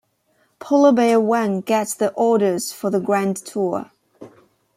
'Polar Bear One' gets the orders for the grand tour.